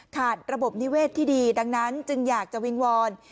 ระบบนิเวศที่ดีดังนั้นจึงอยากจะวิงวอน